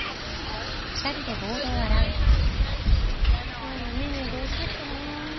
今日のメニューどうしよっかな。